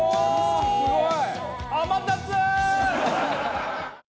すごい！